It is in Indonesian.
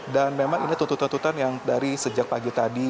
dan memang ini tuntutan tuntutan yang dari sejak pagi tadi